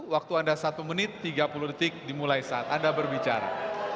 waktu anda satu menit tiga puluh detik dimulai saat anda berbicara